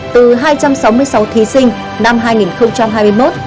từ hai trăm sáu mươi sáu thí sinh năm hai nghìn hai mươi một